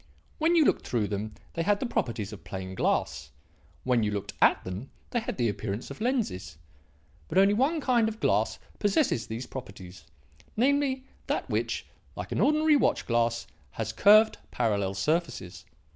When you looked through them they had the properties of plain glass; when you looked at them they had the appearance of lenses. But only one kind of glass possesses these properties; namely, that which, like an ordinary watch glass, has curved, parallel surfaces.